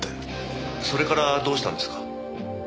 それからどうしたんですか？